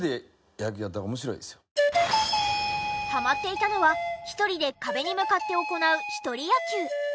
ハマっていたのは１人で壁に向かって行う１人野球。